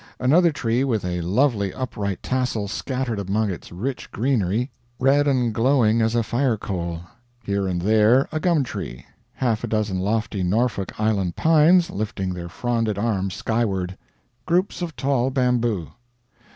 Another tree with a lovely upright tassel scattered among its rich greenery, red and glowing as a firecoal. Here and there a gum tree; half a dozen lofty Norfolk Island pines lifting their fronded arms skyward. Groups of tall bamboo.